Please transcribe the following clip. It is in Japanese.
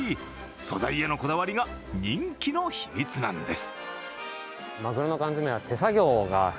素材へのこだわりが人気の秘密なんです。